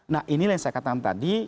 nah inilah yang saya katakan tadi